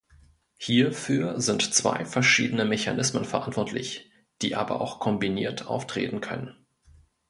Hierfür sind zwei verschiedene Mechanismen verantwortlich, die aber auch kombiniert auftreten können.